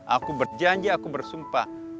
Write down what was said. aku berjanji aku bersumpah